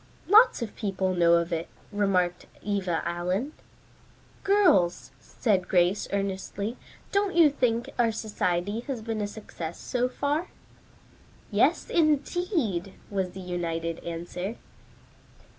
"Lots of people know of it," remarked Eva Allen. "Girls," said Grace earnestly, "don't you think our society has been a success so far?" "Yes, indeed," was the united answer.